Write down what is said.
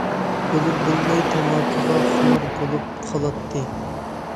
بىلىپ- بىلمەي تاماكىغا خۇمار بولۇپ قالاتتى.